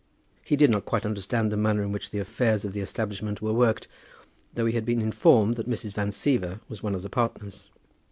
He did not quite understand the manner in which the affairs of the establishment were worked, though he had been informed that Mrs. Van Siever was one of the partners.